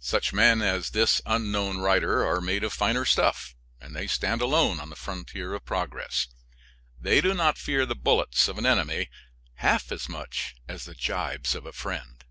Such men as this unknown writer are made of finer stuff, and they stand alone on the frontier of progress. They do not fear the bullets of an enemy half so much as the gibes of a friend.